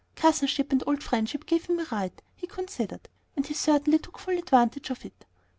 Cousinship and old friendship gave him a right, he considered, and he certainly took full advantage of it.